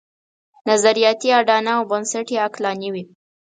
نظریاتي اډانه او بنسټ یې عقلاني وي.